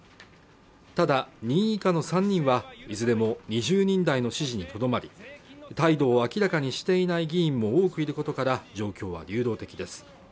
ただに以下の３人はいずれも２０人台の支持にとどまり態度を明らかにしていない議員も多くいることから状況は流動的です